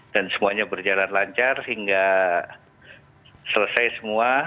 dan semuanya berjalan lancar hingga selesai semua